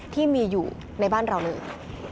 ที่มีอยู่ในบ้านเราเลย